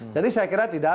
jadi saya kira tidak